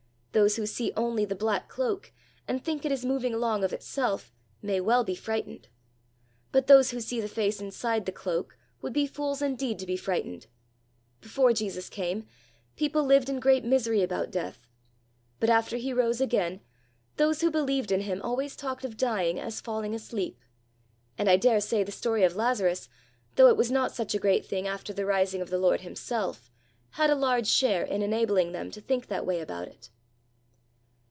Those who see only the black cloak, and think it is moving along of itself, may well be frightened; but those who see the face inside the cloak, would be fools indeed to be frightened! Before Jesus came, people lived in great misery about death; but after he rose again, those who believed in him always talked of dying as falling asleep; and I daresay the story of Lazarus, though it was not such a great thing after the rising of the Lord himself, had a large share in enabling them to think that way about it."